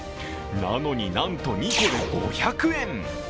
なのに、なんと２個で５００円。